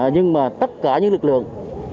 nhưng mà tất cả những lực lượng